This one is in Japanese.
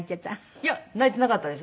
いや泣いてなかったです。